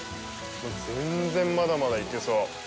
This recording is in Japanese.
全然まだまだいけそう。